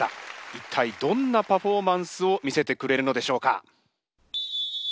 一体どんなパフォーマンスを見せてくれるのでしょうか。